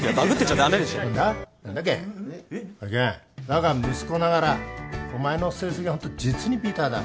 我が息子ながらお前の成績はほんと実にビターだなぁ。